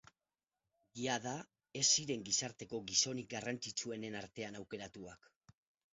Jada, ez ziren gizarteko gizonik garrantzitsuenen artean aukeratuak.